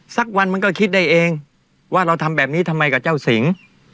สักวันมันก็คิดได้เองว่าเราทำแบบนี้ทำไมกับเจ้าสิง